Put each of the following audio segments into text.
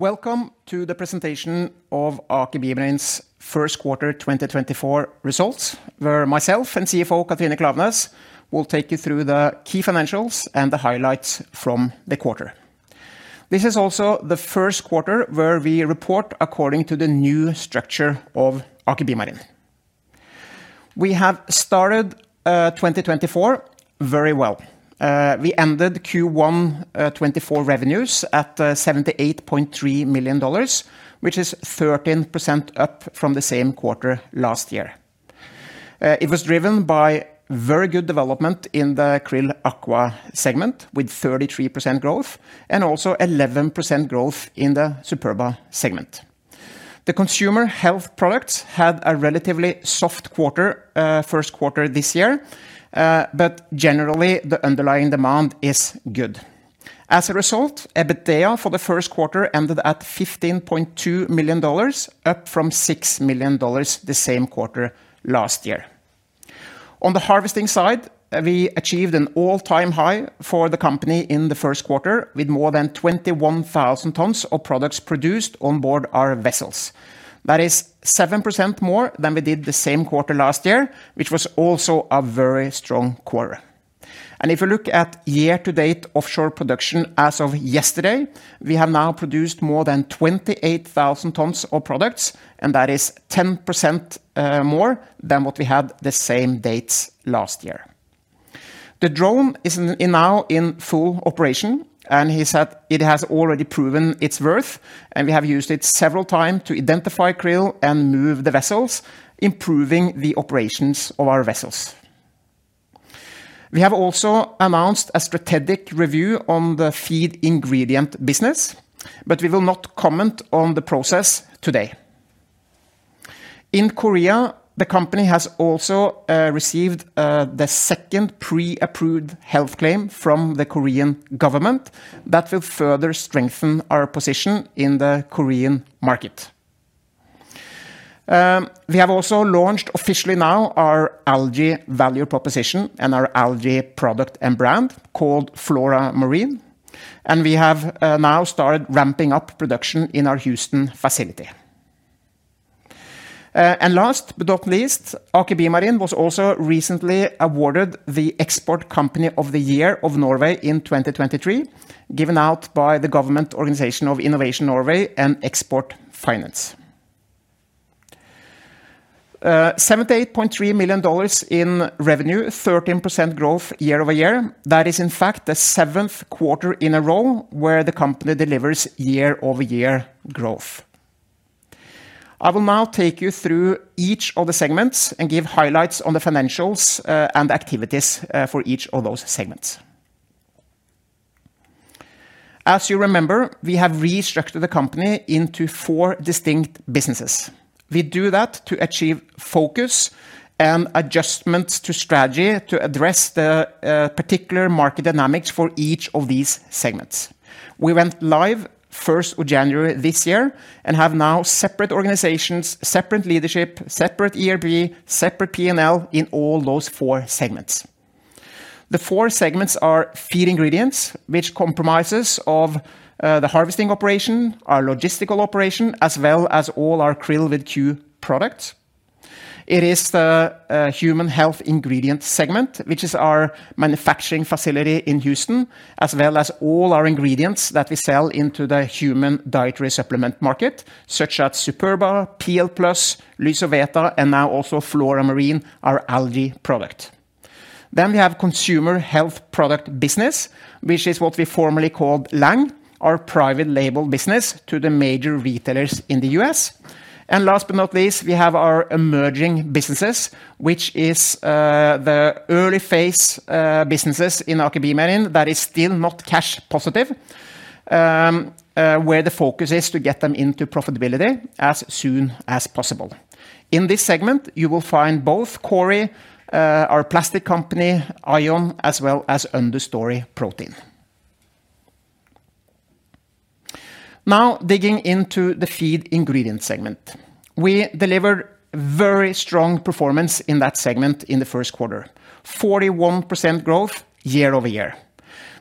Welcome to the presentation of Aker BioMarine's first quarter 2024 results, where myself and CFO Katrine Klaveness will take you through the key financials and the highlights from the quarter. This is also the first quarter where we report according to the new structure of Aker BioMarine. We have started 2024 very well. We ended Q1 2024 revenues at $78.3 million, which is 13% up from the same quarter last year. It was driven by very good development in the QRILL Aqua segment with 33% growth and also 11% growth in the SUPERBA segment. The consumer health products had a relatively soft first quarter this year, but generally the underlying demand is good. As a result, EBITDA for the first quarter ended at $15.2 million, up from $6 million the same quarter last year. On the harvesting side, we achieved an all-time high for the company in the first quarter with more than 21,000 tons of products produced on board our vessels. That is 7% more than we did the same quarter last year, which was also a very strong quarter. If you look at year-to-date offshore production as of yesterday, we have now produced more than 28,000 tons of products, and that is 10% more than what we had the same dates last year. The drone is now in full operation, and it has already proven its worth, and we have used it several times to identify krill and move the vessels, improving the operations of our vessels. We have also announced a strategic review on the feed ingredient business, but we will not comment on the process today. In Korea, the company has also received the second pre-approved health claim from the Korean government that will further strengthen our position in the Korean market. We have also launched officially now our algae value proposition and our algae product and brand called FloraMarine, and we have now started ramping up production in our Houston facility. And last but not least, Aker BioMarine was also recently awarded the Export Company of the Year of Norway in 2023, given out by Innovation Norway and Export Finance Norway. $78.3 million in revenue, 13% growth year-over-year. That is, in fact, the seventh quarter in a row where the company delivers year-over-year growth. I will now take you through each of the segments and give highlights on the financials and activities for each of those segments. As you remember, we have restructured the company into four distinct businesses. We do that to achieve focus and adjustments to strategy to address the particular market dynamics for each of these segments. We went live 1 January this year and have now separate organizations, separate leadership, separate ERP, separate P&L in all those four segments. The four segments are feed ingredients, which comprises of the harvesting operation, our logistical operation, as well as all our Krill QHP products. It is the human health ingredient segment, which is our manufacturing facility in Houston, as well as all our ingredients that we sell into the human dietary supplement market, such as SUPERBA, PL+, LYSOVETA, and now also FloraMarine, our algae product. Then we have consumer health product business, which is what we formerly called Lang, our private label business to the major retailers in the US. Last but not least, we have our emerging businesses, which is the early phase businesses in Aker BioMarine that are still not cash positive, where the focus is to get them into profitability as soon as possible. In this segment, you will find both Kori, our plastic company, AION, as well as Understory Protein. Now digging into the feed ingredient segment. We delivered very strong performance in that segment in the first quarter, 41% growth year-over-year.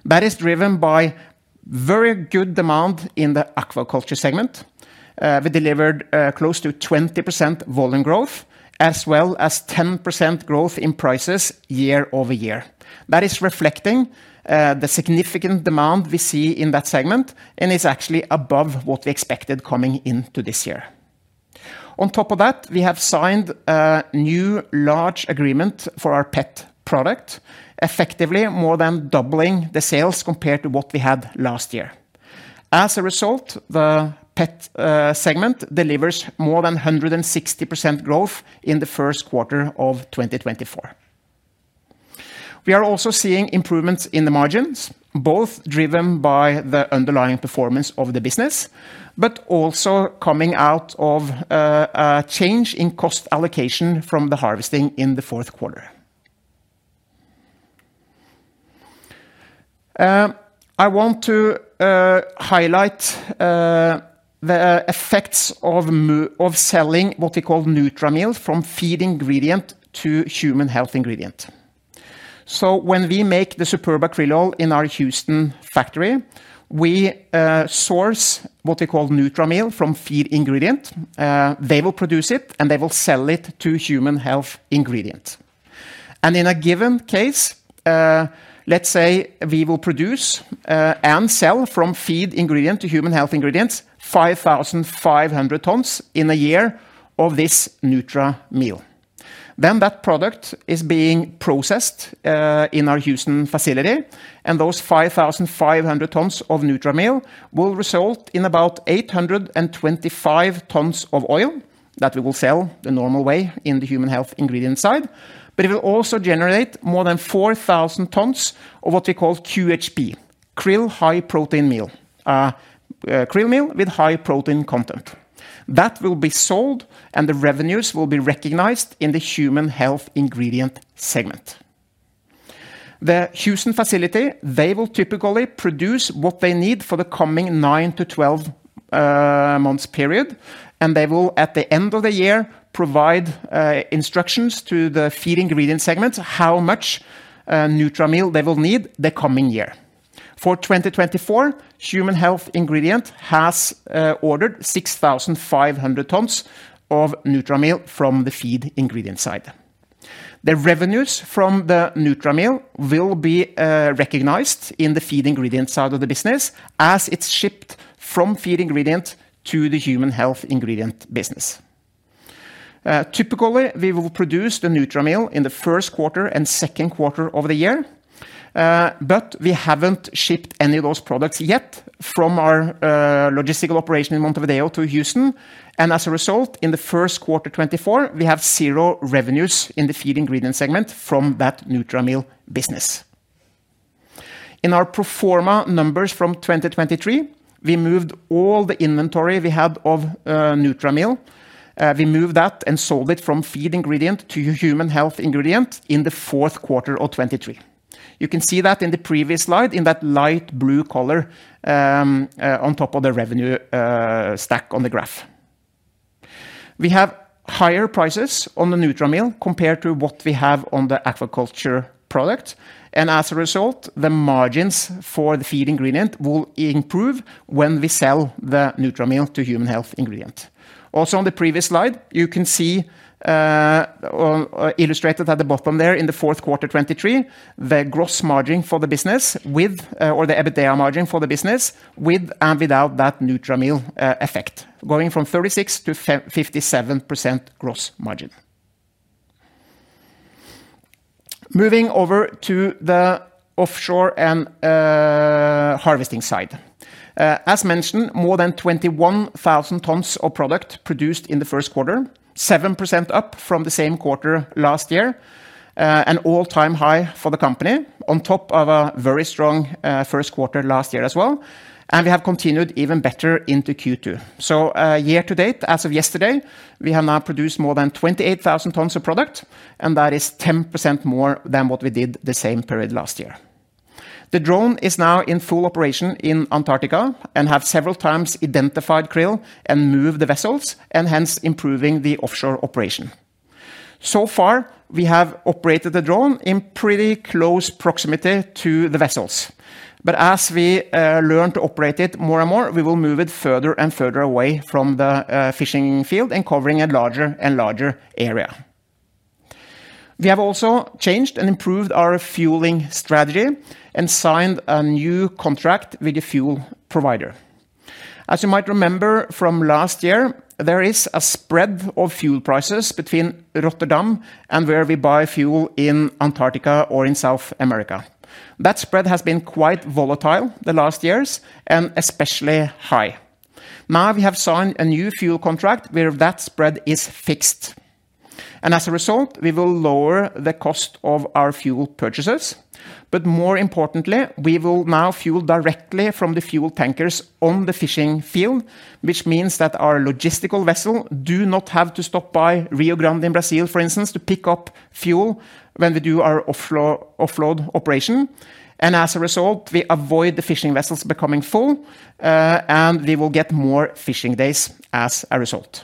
That is driven by very good demand in the aquaculture segment. We delivered close to 20% volume growth, as well as 10% growth in prices year-over-year. That is reflecting the significant demand we see in that segment, and it's actually above what we expected coming into this year. On top of that, we have signed a new large agreement for our pet product, effectively more than doubling the sales compared to what we had last year. As a result, the pet segment delivers more than 160% growth in the first quarter of 2024. We are also seeing improvements in the margins, both driven by the underlying performance of the business, but also coming out of a change in cost allocation from the harvesting in the fourth quarter. I want to highlight the effects of selling what we call NutraMeal from feed ingredient to human health ingredient. So when we make the SUPERBA Krill Oil in our Houston factory, we source what we call NutraMeal from feed ingredient. They will produce it, and they will sell it to human health ingredient. In a given case, let's say we will produce and sell from feed ingredient to human health ingredients 5,500 tons in a year of this NutraMeal. Then that product is being processed in our Houston facility, and those 5,500 tons of NutraMeal will result in about 825 tons of oil that we will sell the normal way in the human health ingredient side. But it will also generate more than 4,000 tons of what we call QHP, QRILL High Protein Meal, Krill Meal with high protein content. That will be sold, and the revenues will be recognized in the human health ingredient segment. The Houston facility, they will typically produce what they need for the coming nine to 12 months period, and they will, at the end of the year, provide instructions to the feed ingredient segments how much NutraMeal they will need the coming year. For 2024, human health ingredient has ordered 6,500 tons of NutraMeal from the feed ingredient side. The revenues from the NutraMeal will be recognized in the feed ingredient side of the business as it's shipped from feed ingredient to the human health ingredient business. Typically, we will produce the NutraMeal in the first quarter and second quarter of the year, but we haven't shipped any of those products yet from our logistical operation in Montevideo to Houston. As a result, in the first quarter 2024, we have zero revenues in the feed ingredient segment from that NutraMeal business. In our pro forma numbers from 2023, we moved all the inventory we had of NutraMeal. We moved that and sold it from feed ingredient to human health ingredient in the fourth quarter of 2023. You can see that in the previous slide in that light blue color on top of the revenue stack on the graph. We have higher prices on the NutraMeal compared to what we have on the aquaculture product, and as a result, the margins for the feed ingredient will improve when we sell the NutraMeal to human health ingredient. Also on the previous slide, you can see illustrated at the bottom there in the fourth quarter 2023, the gross margin for the business with or the EBITDA margin for the business with and without that NutraMeal effect, going from 36%-57% gross margin. Moving over to the offshore and harvesting side. As mentioned, more than 21,000 tons of product produced in the first quarter, 7% up from the same quarter last year, an all-time high for the company on top of a very strong first quarter last year as well. We have continued even better into Q2. Year to date, as of yesterday, we have now produced more than 28,000 tons of product, and that is 10% more than what we did the same period last year. The drone is now in full operation in Antarctica and has several times identified krill and moved the vessels, and hence improving the offshore operation. So far, we have operated the drone in pretty close proximity to the vessels. But as we learn to operate it more and more, we will move it further and further away from the fishing field and covering a larger and larger area. We have also changed and improved our fueling strategy and signed a new contract with a fuel provider. As you might remember from last year, there is a spread of fuel prices between Rotterdam and where we buy fuel in Antarctica or in South America. That spread has been quite volatile the last years and especially high. Now we have signed a new fuel contract where that spread is fixed. And as a result, we will lower the cost of our fuel purchases. But more importantly, we will now fuel directly from the fuel tankers on the fishing field, which means that our logistical vessel does not have to stop by Rio Grande in Brazil, for instance, to pick up fuel when we do our offload operation. And as a result, we avoid the fishing vessels becoming full, and we will get more fishing days as a result.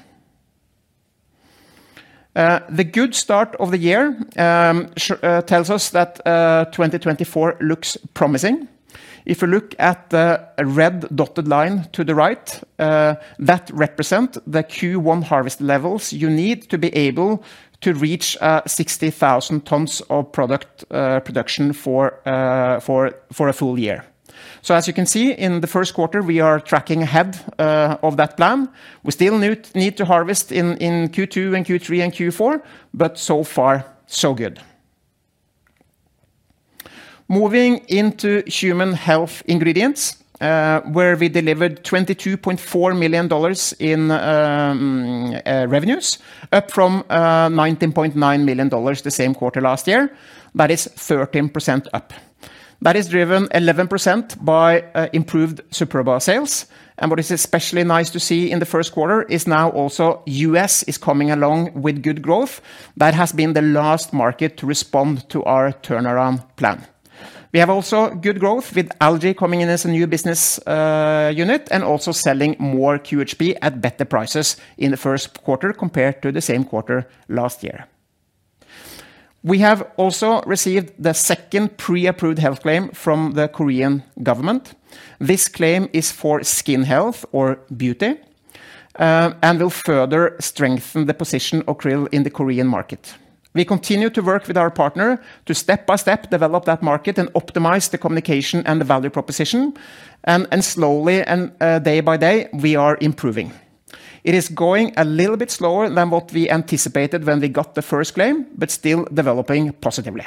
The good start of the year tells us that 2024 looks promising. If you look at the red dotted line to the right, that represents the Q1 harvest levels you need to be able to reach 60,000 tons of product production for a full year. So as you can see, in the first quarter, we are tracking ahead of that plan. We still need to harvest in Q2 and Q3 and Q4, but so far, so good. Moving into human health ingredients, where we delivered $22.4 million in revenues, up from $19.9 million the same quarter last year. That is 13% up. That is driven 11% by improved SUPERBA sales. And what is especially nice to see in the first quarter is now also the US is coming along with good growth. That has been the last market to respond to our turnaround plan. We have also good growth with algae coming in as a new business unit and also selling more QHP at better prices in the first quarter compared to the same quarter last year. We have also received the second pre-approved health claim from the Korean government. This claim is for skin health or beauty and will further strengthen the position of krill in the Korean market. We continue to work with our partner to step by step develop that market and optimize the communication and the value proposition. And slowly and day by day, we are improving. It is going a little bit slower than what we anticipated when we got the first claim, but still developing positively.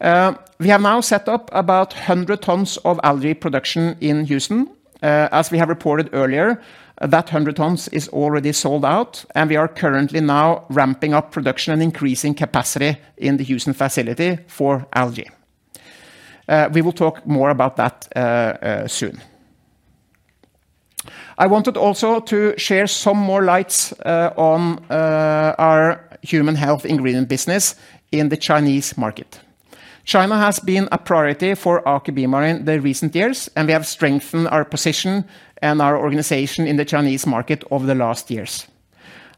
We have now set up about 100 tons of algae production in Houston. As we have reported earlier, that 100 tons is already sold out, and we are currently now ramping up production and increasing capacity in the Houston facility for algae. We will talk more about that soon. I wanted also to shed some more light on our human health ingredient business in the Chinese market. China has been a priority for Aker BioMarine in the recent years, and we have strengthened our position and our organization in the Chinese market over the last years.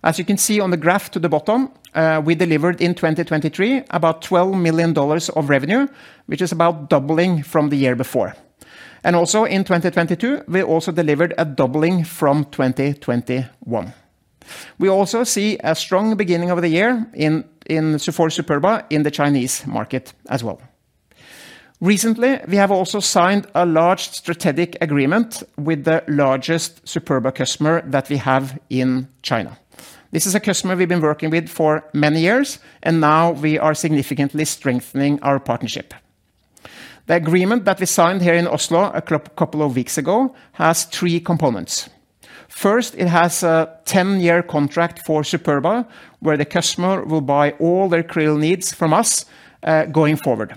As you can see on the graph at the bottom, we delivered in 2023 about $12 million of revenue, which is about doubling from the year before. Also in 2022, we also delivered a doubling from 2021. We also see a strong beginning of the year for SUPERBA in the Chinese market as well. Recently, we have also signed a large strategic agreement with the largest SUPERBA customer that we have in China. This is a customer we've been working with for many years, and now we are significantly strengthening our partnership. The agreement that we signed here in Oslo a couple of weeks ago has three components. First, it has a 10-year contract for SUPERBA, where the customer will buy all their krill needs from us going forward.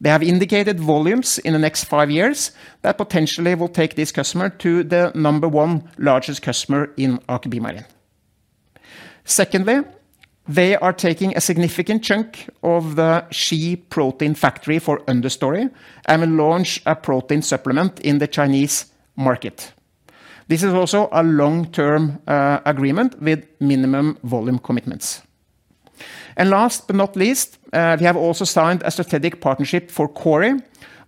They have indicated volumes in the next five years that potentially will take this customer to the number one largest customer in Aker BioMarine. Secondly, they are taking a significant chunk of the Ski protein factory for Understory and will launch a protein supplement in the Chinese market. This is also a long-term agreement with minimum volume commitments. Last but not least, we have also signed a strategic partnership for Kori,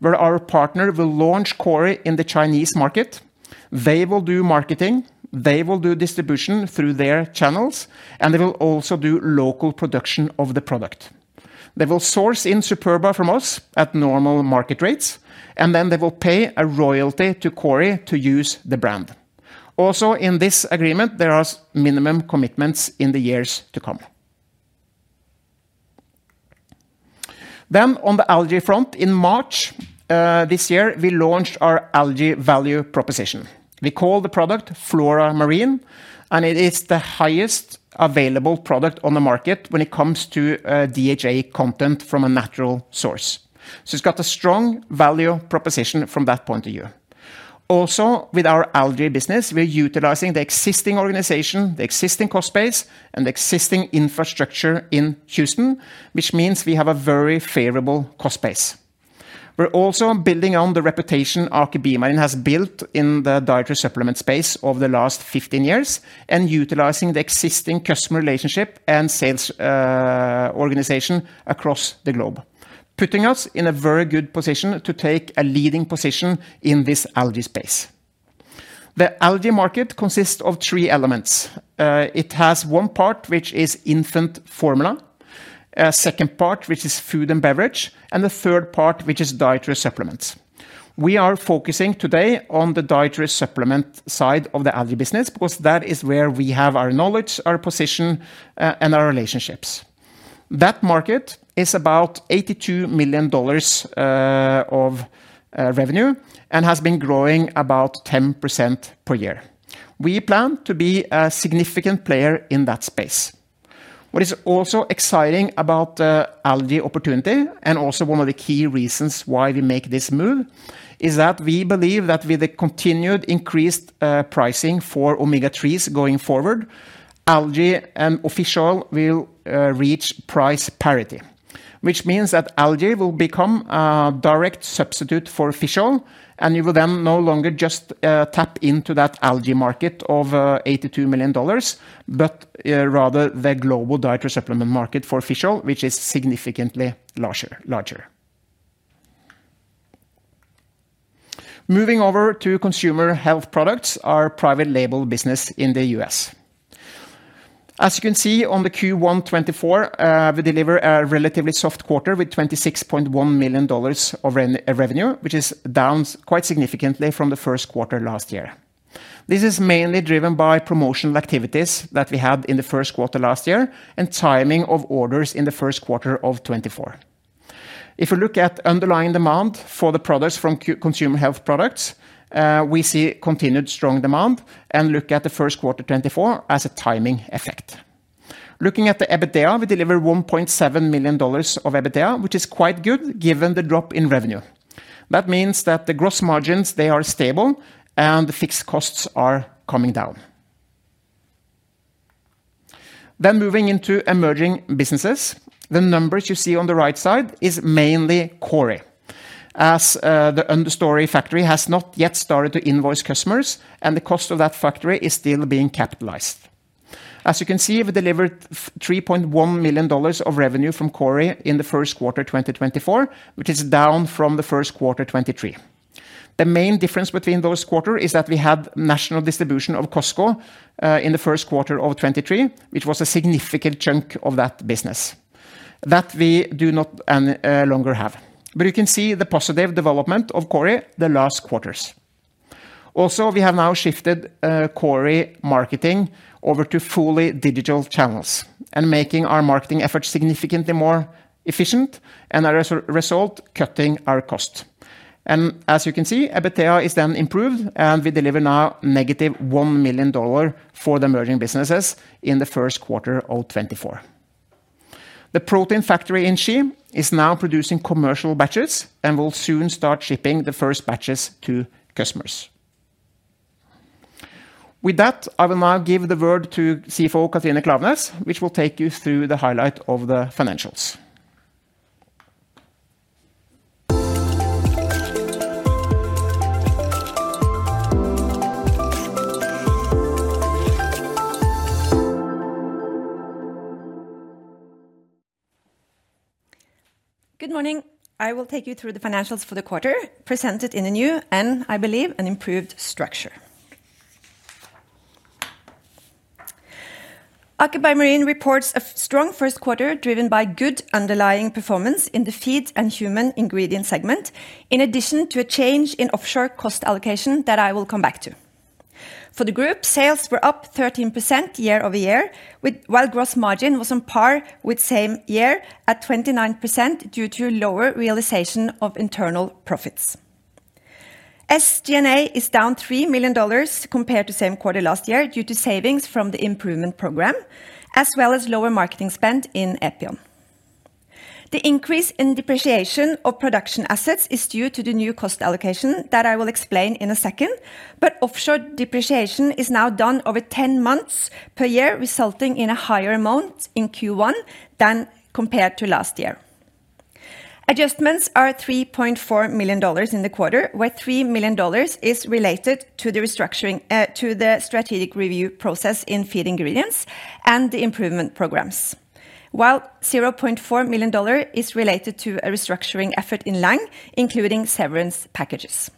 where our partner will launch Kori in the Chinese market. They will do marketing. They will do distribution through their channels, and they will also do local production of the product. They will source in SUPERBA from us at normal market rates, and then they will pay a royalty to Kori to use the brand. Also in this agreement, there are minimum commitments in the years to come. Then on the algae front, in March this year, we launched our algae value proposition. We call the product FloraMarine, and it is the highest available product on the market when it comes to DHA content from a natural source. So it's got a strong value proposition from that point of view. Also with our algae business, we are utilizing the existing organization, the existing cost base, and the existing infrastructure in Houston, which means we have a very favorable cost base. We're also building on the reputation Aker BioMarine has built in the dietary supplement space over the last 15 years and utilizing the existing customer relationship and sales organization across the globe, putting us in a very good position to take a leading position in this algae space. The algae market consists of three elements. It has one part, which is infant formula, a second part, which is food and beverage, and a third part, which is dietary supplements. We are focusing today on the dietary supplement side of the algae business because that is where we have our knowledge, our position, and our relationships. That market is about $82 million of revenue and has been growing about 10% per year. We plan to be a significant player in that space. What is also exciting about the algae opportunity and also one of the key reasons why we make this move is that we believe that with the continued increased pricing for omega-3s going forward, algae and fish oil will reach price parity, which means that algae will become a direct substitute for fish oil, and you will then no longer just tap into that algae market of $82 million, but rather the global dietary supplement market for fish oil, which is significantly larger. Moving over to consumer health products, our private label business in the U.S. As you can see on the Q1 2024, we deliver a relatively soft quarter with $26.1 million of revenue, which is down quite significantly from the first quarter last year. This is mainly driven by promotional activities that we had in the first quarter last year and timing of orders in the first quarter of 2024. If we look at underlying demand for the products from consumer health products, we see continued strong demand and look at the first quarter 2024 as a timing effect. Looking at the EBITDA, we deliver $1.7 million of EBITDA, which is quite good given the drop in revenue. That means that the gross margins, they are stable, and the fixed costs are coming down. Then moving into emerging businesses, the numbers you see on the right side are mainly Kori, as the Understory factory has not yet started to invoice customers, and the cost of that factory is still being capitalized. As you can see, we delivered $3.1 million of revenue from Kori in the first quarter 2024, which is down from the first quarter 2023. The main difference between those quarters is that we had national distribution of Costco in the first quarter of 2023, which was a significant chunk of that business that we no longer have. But you can see the positive development of Kori in the last quarters. Also, we have now shifted Kori marketing over to fully digital channels and making our marketing efforts significantly more efficient and, as a result, cutting our costs. As you can see, EBITDA is then improved, and we deliver now -$1 million for the emerging businesses in the first quarter of 2024. The protein factory in Ski is now producing commercial batches and will soon start shipping the first batches to customers. With that, I will now give the word to CFO Katrine Klaveness, who will take you through the highlights of the financials. Good morning. I will take you through the financials for the quarter presented in a new and, I believe, an improved structure. Aker BioMarine reports a strong first quarter driven by good underlying performance in the feed and human ingredient segment, in addition to a change in offshore cost allocation that I will come back to. For the group, sales were up 13% year-over-year, while gross margin was on par with same year at 29% due to lower realization of internal profits. SG&A is down $3 million compared to same quarter last year due to savings from the improvement program, as well as lower marketing spend in Epion. The increase in depreciation of production assets is due to the new cost allocation that I will explain in a second, but offshore depreciation is now done over 10 months per year, resulting in a higher amount in Q1 than compared to last year. Adjustments are $3.4 million in the quarter, where $3 million is related to the restructuring to the strategic review process in feed ingredients and the improvement programs, while $0.4 million is related to a restructuring effort in Lang, including severance packages.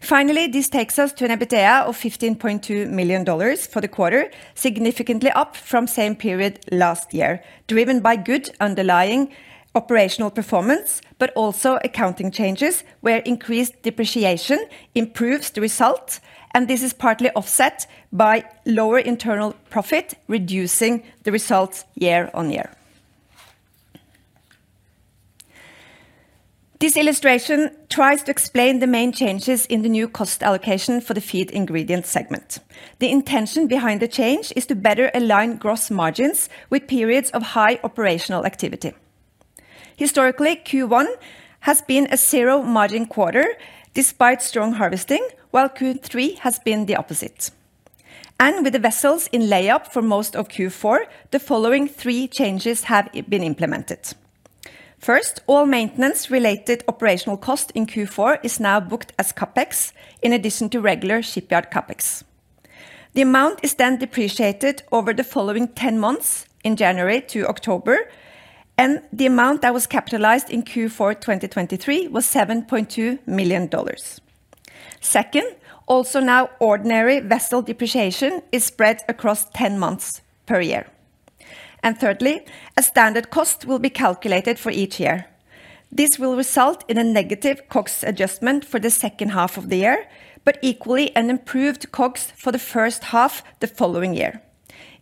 Finally, this takes us to an EBITDA of $15.2 million for the quarter, significantly up from same period last year, driven by good underlying operational performance, but also accounting changes where increased depreciation improves the result, and this is partly offset by lower internal profit, reducing the result year on year. This illustration tries to explain the main changes in the new cost allocation for the feed ingredient segment. The intention behind the change is to better align gross margins with periods of high operational activity. Historically, Q1 has been a zero margin quarter despite strong harvesting, while Q3 has been the opposite. With the vessels in layup for most of Q4, the following three changes have been implemented. First, all maintenance-related operational cost in Q4 is now booked as CAPEX in addition to regular shipyard CAPEX. The amount is then depreciated over the following 10 months, in January to October, and the amount that was capitalized in Q4 2023 was $7.2 million. Second, also now ordinary vessel depreciation is spread across 10 months per year. Thirdly, a standard cost will be calculated for each year. This will result in a negative COGS adjustment for the second half of the year, but equally an improved COGS for the first half the following year.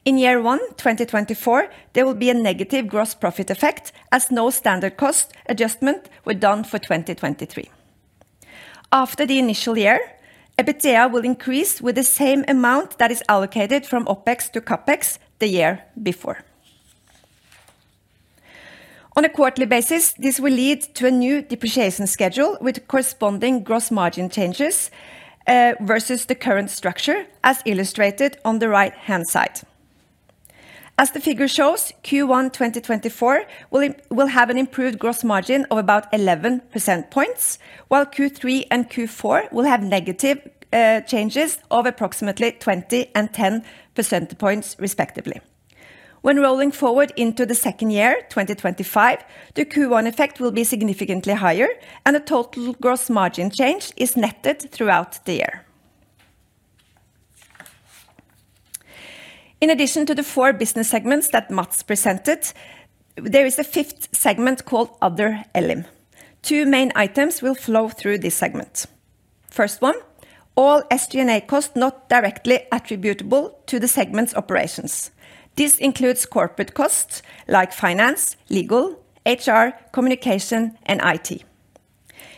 In year one, 2024, there will be a negative gross profit effect as no standard cost adjustment was done for 2023. After the initial year, EBITDA will increase with the same amount that is allocated from OPEX to CAPEX the year before. On a quarterly basis, this will lead to a new depreciation schedule with corresponding gross margin changes versus the current structure as illustrated on the right-hand side. As the figure shows, Q1 2024 will have an improved gross margin of about 11% points, while Q3 and Q4 will have negative changes of approximately 20% and 10% points, respectively. When rolling forward into the second year, 2025, the Q1 effect will be significantly higher, and a total gross margin change is netted throughout the year. In addition to the four business segments that Matts presented, there is a fifth segment called Other/elim. Two main items will flow through this segment. First one, all SG&A costs not directly attributable to the segment's operations. This includes corporate costs like finance, legal, HR, communication, and IT.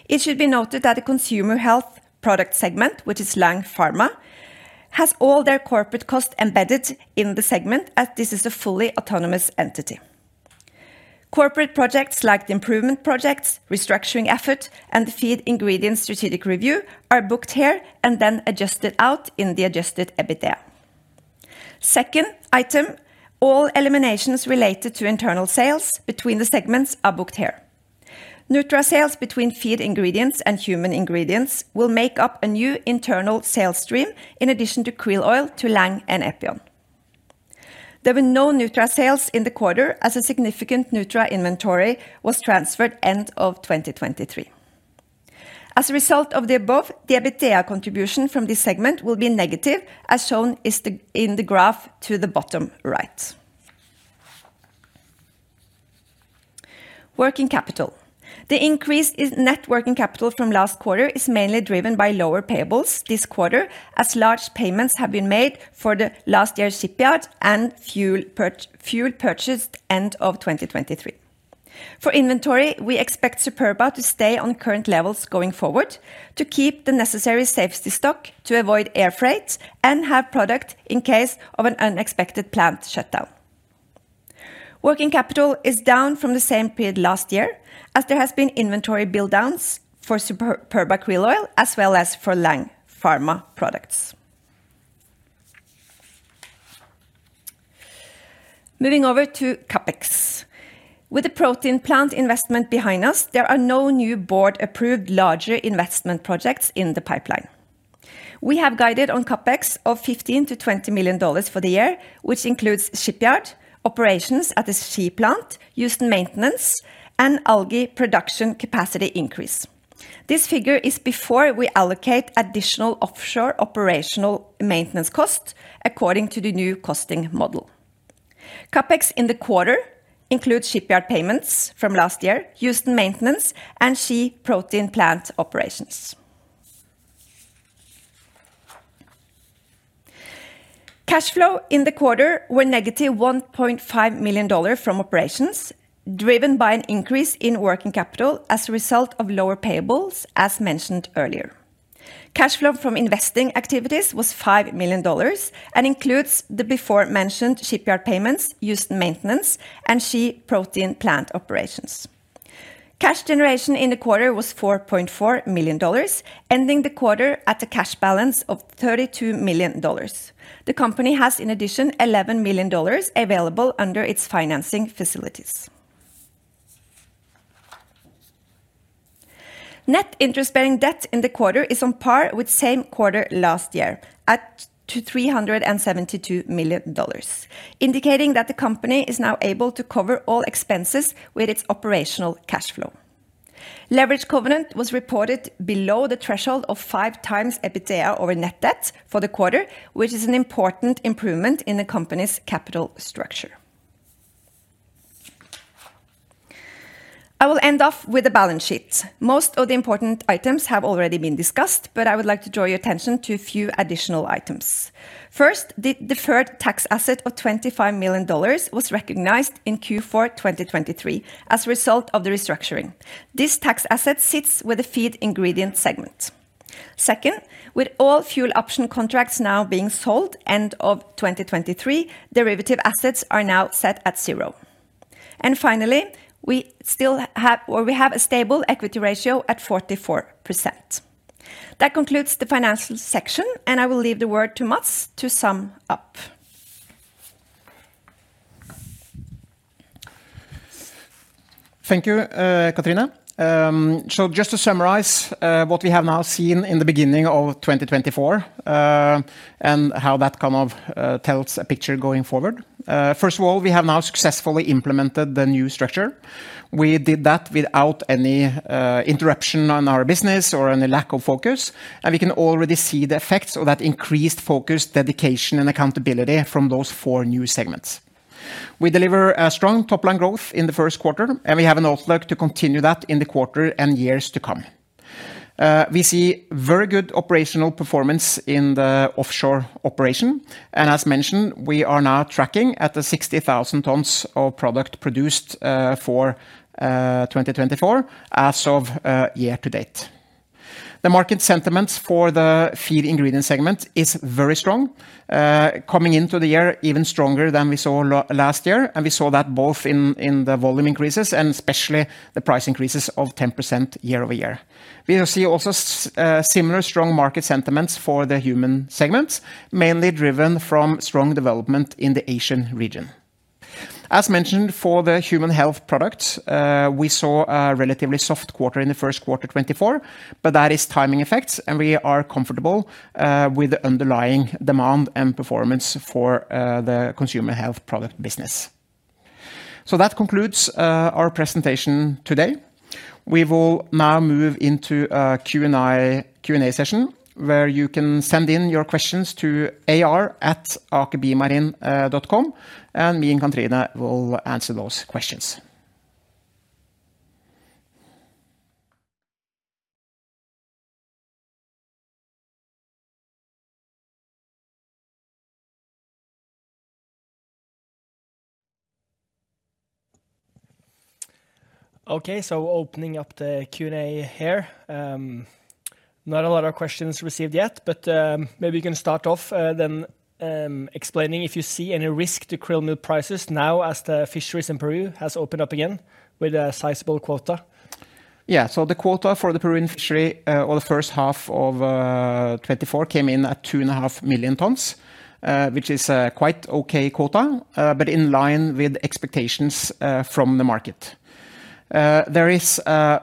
It should be noted that the consumer health product segment, which is Lang Pharma, has all their corporate costs embedded in the segment as this is a fully autonomous entity. Corporate projects like the improvement projects, restructuring effort, and the feed ingredient strategic review are booked here and then adjusted out in the adjusted EBITDA. Second item, all eliminations related to internal sales between the segments are booked here. Nutra sales between feed ingredients and human ingredients will make up a new internal sales stream in addition to Krill oil to Lang and Epion. There were no Nutra sales in the quarter as a significant Nutra inventory was transferred end of 2023. As a result of the above, the EBITDA contribution from this segment will be negative, as shown in the graph to the bottom right. Working capital. The increase in net working capital from last quarter is mainly driven by lower payables this quarter as large payments have been made for the last year's shipyard and fuel purchased end of 2023. For inventory, we expect SUPERBA to stay on current levels going forward, to keep the necessary safety stock, to avoid air freight, and have product in case of an unexpected plant shutdown. Working capital is down from the same period last year as there have been inventory builddowns for SUPERBA krill oil as well as for Lang Pharma products. Moving over to CAPEX. With the protein plant investment behind us, there are no new board-approved larger investment projects in the pipeline. We have guided on CAPEX of $15-$20 million for the year, which includes shipyard, operations at the Ski plant, Houston maintenance, and algae production capacity increase. This figure is before we allocate additional offshore operational maintenance costs according to the new costing model. CAPEX in the quarter includes shipyard payments from last year, Houston maintenance, and Ski protein plant operations. Cash flow in the quarter were -$1.5 million from operations, driven by an increase in working capital as a result of lower payables, as mentioned earlier. Cash flow from investing activities was $5 million and includes the before-mentioned shipyard payments, Houston maintenance, and Ski protein plant operations. Cash generation in the quarter was $4.4 million, ending the quarter at a cash balance of $32 million. The company has, in addition, $11 million available under its financing facilities. Net interest-bearing debt in the quarter is on par with same quarter last year at $372 million, indicating that the company is now able to cover all expenses with its operational cash flow. Leverage covenant was reported below the threshold of five times EBITDA over net debt for the quarter, which is an important improvement in the company's capital structure. I will end off with the balance sheet. Most of the important items have already been discussed, but I would like to draw your attention to a few additional items. First, the deferred tax asset of $25 million was recognized in Q4 2023 as a result of the restructuring. This tax asset sits with the feed ingredient segment. Second, with all fuel option contracts now being sold end of 2023, derivative assets are now set at zero. And finally, we still have a stable equity ratio at 44%. That concludes the financials section, and I will leave the word to Matts to sum up. Thank you, Katrine. So just to summarize what we have now seen in the beginning of 2024 and how that kind of tells a picture going forward. First of all, we have now successfully implemented the new structure. We did that without any interruption in our business or any lack of focus, and we can already see the effects of that increased focus, dedication, and accountability from those four new segments. We deliver strong top-line growth in the first quarter, and we have an outlook to continue that in the quarter and years to come. We see very good operational performance in the offshore operation, and as mentioned, we are now tracking at the 60,000 tons of product produced for 2024 as of year-to-date. The market sentiment for the feed ingredient segment is very strong, coming into the year even stronger than we saw last year, and we saw that both in the volume increases and especially the price increases of 10% year-over-year. We see also similar strong market sentiments for the human segments, mainly driven from strong development in the Asian region. As mentioned, for the human health products, we saw a relatively soft quarter in the first quarter 2024, but that is timing effects, and we are comfortable with the underlying demand and performance for the consumer health product business. So that concludes our presentation today. We will now move into a Q&A session where you can send in your questions to ar@akerbiomarine.com, and me and Katrine will answer those questions. Okay, so opening up the Q&A here. Not a lot of questions received yet, but maybe you can start off then explaining if you see any risk to krill meal prices now as the fisheries in Peru has opened up again with a sizable quota. Yeah, so the quota for the Peruvian fishery or the first half of 2024 came in at 2.5 million tons, which is quite an okay quota, but in line with expectations from the market. There is a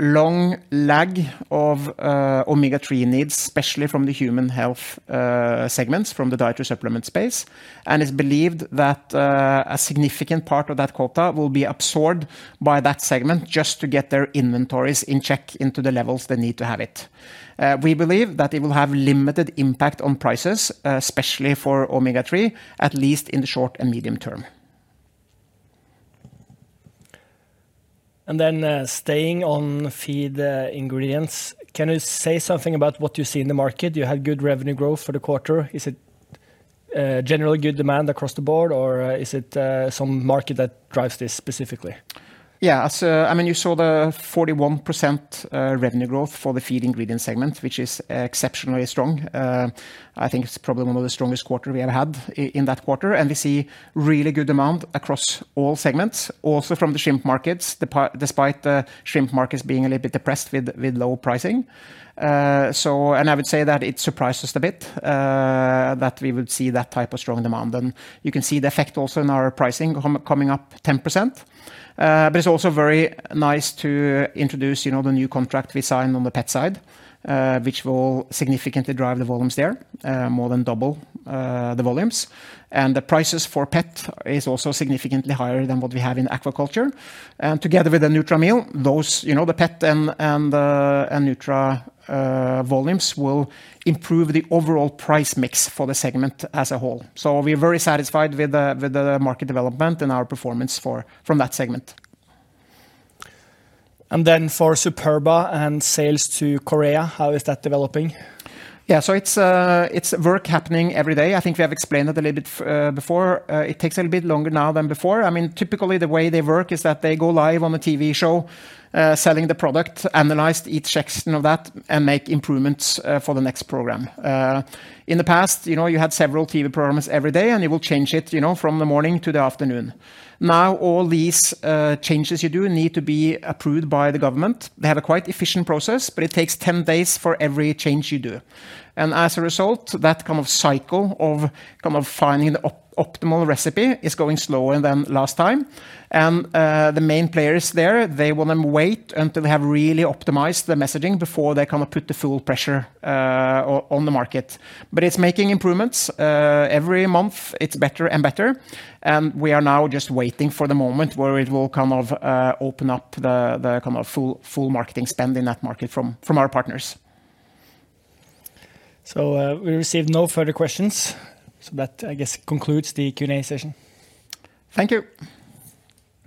long lag of omega-3 needs, especially from the human health segments from the dietary supplement space, and it's believed that a significant part of that quota will be absorbed by that segment just to get their inventories in check into the levels they need to have it. We believe that it will have limited impact on prices, especially for Omega-3, at least in the short and medium term. Then staying on feed ingredients, can you say something about what you see in the market? You had good revenue growth for the quarter. Is it generally good demand across the board, or is it some market that drives this specifically? Yeah, I mean, you saw the 41% revenue growth for the feed ingredient segment, which is exceptionally strong. I think it's probably one of the strongest quarters we ever had in that quarter, and we see really good demand across all segments, also from the shrimp markets, despite the shrimp markets being a little bit depressed with low pricing. And I would say that it surprises us a bit that we would see that type of strong demand. And you can see the effect also in our pricing coming up 10%. But it's also very nice to introduce the new contract we signed on the pet side, which will significantly drive the volumes there, more than double the volumes. And the prices for pet are also significantly higher than what we have in aquaculture. Together with the NutraMeal, the pet and Nutra volumes will improve the overall price mix for the segment as a whole. We're very satisfied with the market development and our performance from that segment. And then for SUPERBA and sales to Korea, how is that developing? Yeah, so it's work happening every day. I think we have explained it a little bit before. It takes a little bit longer now than before. I mean, typically the way they work is that they go live on a TV show selling the product, analyze each section of that, and make improvements for the next program. In the past, you had several TV programs every day, and you will change it from the morning to the afternoon. Now all these changes you do need to be approved by the government. They have a quite efficient process, but it takes 10 days for every change you do. And as a result, that kind of cycle of finding the optimal recipe is going slower than last time. The main players there, they want to wait until they have really optimized the messaging before they kind of put the full pressure on the market. But it's making improvements. Every month, it's better and better. And we are now just waiting for the moment where it will kind of open up the kind of full marketing spend in that market from our partners. We received no further questions. That, I guess, concludes the Q&A session. Thank you.